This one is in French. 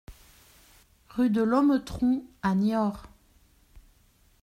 Rue de l'Hometrou à Niort